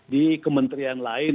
di kementerian lain